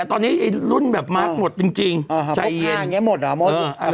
ตอนนี้รุ่นแบบมากหมดจริง